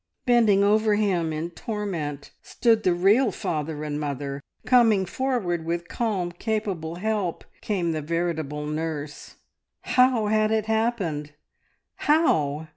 Bending over him in torment stood the real father and mother; coming forward with calm, capable help came the veritable nurse. How had it happened? How?